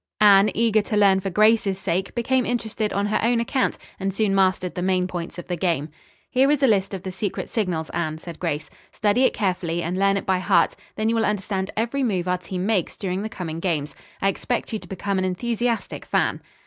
Anne, eager to learn for Grace's sake, became interested on her own account, and soon mastered the main points of the game. "Here is a list of the secret signals, Anne," said Grace. "Study it carefully and learn it by heart, then you will understand every move our team makes during the coming games. I expect you to become an enthusiastic fan."